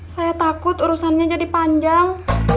saya takut urusannya jadi panjang